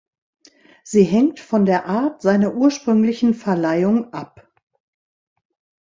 Sie hängt von der Art seiner ursprünglichen Verleihung ab.